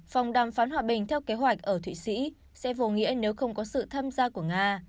vòng đàm phán hòa bình theo kế hoạch ở thụy sĩ sẽ vô nghĩa nếu không có sự tham gia của nga